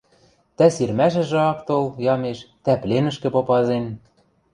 Тӓ сирмӓшӹжӹ ак тол, ямеш, тӓ пленӹшкӹ попазен...